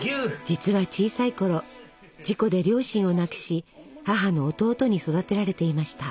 実は小さいころ事故で両親を亡くし母の弟に育てられていました。